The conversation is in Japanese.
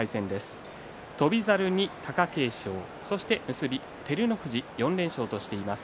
結び照ノ富士４連勝としています。